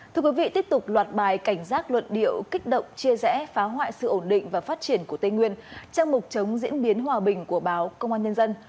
thưa quý vị tiếp tục loạt bài cảnh giác luận điệu kích động chia rẽ phá hoại sự ổn định và phát triển của tây nguyên trang mục chống diễn biến hòa bình của báo công an nhân dân